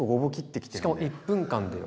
しかも１分間でよ